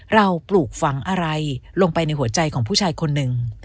ปลูกฝังอะไรลงไปในหัวใจของผู้ชายคนหนึ่ง